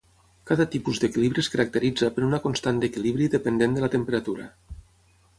Cada tipus d'equilibri es caracteritza per una constant d'equilibri dependent de la temperatura.